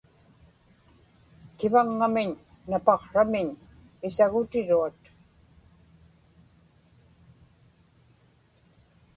kivaŋŋamiñ napaqsramiñ isagutiruat